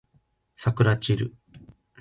さくらちる